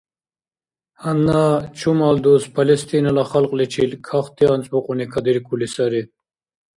Гьанна чумал дус Палестинала халкьличил кахти анцӀбукьуни кадиркули сари.